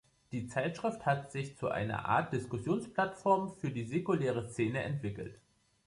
Die Zeitschrift hat sich zu einer Art Diskussionsplattform für die säkulare Szene entwickelt.